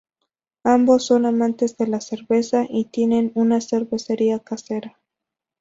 Ambos son amantes de la cerveza y tienen una cervecería casera.